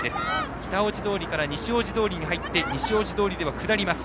北大路から西大路に入って西大路通では下ります。